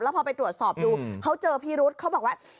พอไปตรวจสอบดูเขาเจอพิรุษเขาบอกว่า